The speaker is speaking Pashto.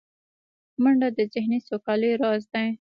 منډه د ذهني سوکالۍ راز دی